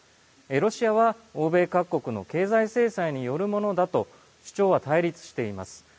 ロシアは欧米各国の経済制裁によるものだと主張は対立しています。